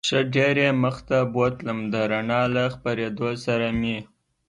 ښه ډېر یې مخ ته بوتلم، د رڼا له خپرېدو سره مې.